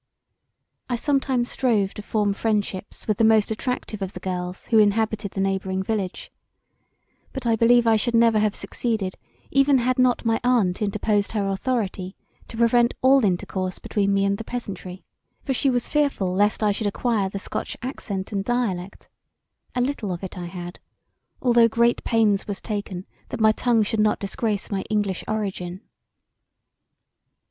I sometimes strove to form friendships with the most attractive of the girls who inhabited the neighbouring village; but I believe I should never have succeeded [even] had not my aunt interposed her authority to prevent all intercourse between me and the peasantry; for she was fearful lest I should acquire the scotch accent and dialect; a little of it I had, although great pains was taken that my tongue should not disgrace my English origin.